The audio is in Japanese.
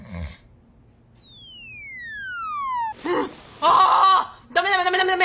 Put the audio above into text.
あダメダメダメダメダメ。